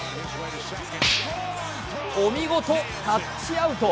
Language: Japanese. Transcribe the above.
お見事、タッチアウト。